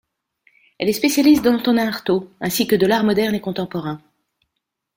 Elle est spécialiste d'Antonin Artaud ainsi que de l'art moderne et contemporain.